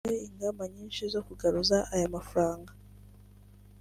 Kuva icyo gihe hashyizweho ingamba nyinshi zo kugaruza aya mafaranga